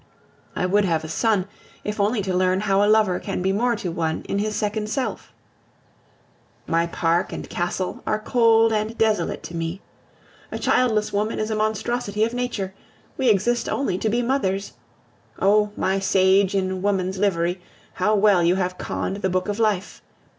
I would have a son, if only to learn how a lover can be more to one in his second self. My park and castle are cold and desolate to me. A childless woman is a monstrosity of nature; we exist only to be mothers. Oh! my sage in woman's livery, how well you have conned the book of life!